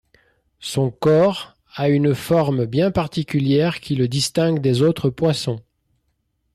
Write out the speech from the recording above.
Son corps à une forme bien particulière qui le distingue des autres poissons.